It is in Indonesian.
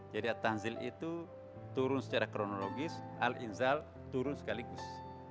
jadi at tanzil itu turun secara kronologis al inzal turun sekaligus